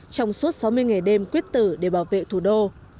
trong suốt sáu mươi ngày đêm quyết tử để bảo vệ thủ đô